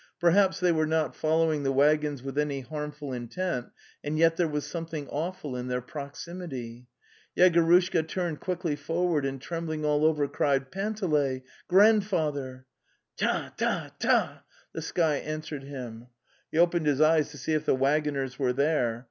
Perhaps they were not following the waggons with any harmful intent, and yet there was something awful in their proximity. Yegorushka turned quickly forward, and trem bling all over cried: '' Panteley! Grandfather! "" Trrah! tah! tah!" the sky answered him. He opened his eyes to see if the waggoners were there.